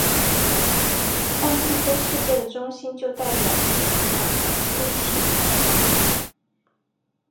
但并非世界的中心就代表地球的肚脐。